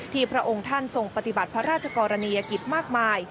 พระองค์ท่านทรงปฏิบัติพระราชกรณียกิจมากมาย